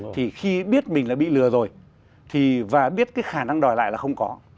thì khi biết mình là bị lừa rồi và biết cái khả năng đòi lại là không có